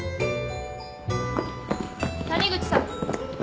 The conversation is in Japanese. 谷口さん。